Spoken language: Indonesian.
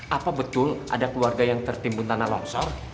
apa betul ada keluarga yang tertimbun tanah longsor